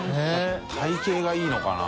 体形がいいのかな？